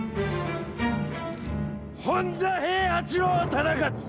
本多平八郎忠勝！